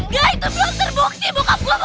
gak itu belum terbukti bokap gue bukan koruptor